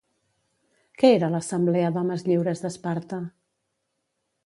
Què era l'Assemblea d'homes lliures d'Esparta?